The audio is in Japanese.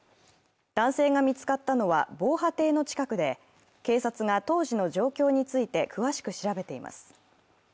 男性が見つかったのは、防波堤の近くで、警察が当時の状況について詳しく調べています。